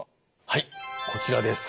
はいこちらです。